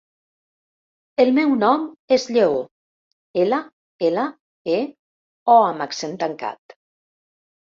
El meu nom és Lleó: ela, ela, e, o amb accent tancat.